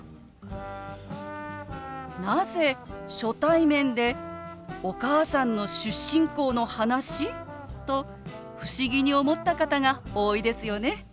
「なぜ初対面でお母さんの出身校の話？」と不思議に思った方が多いですよね。